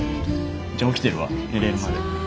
じゃあ起きてるわ寝れるまで。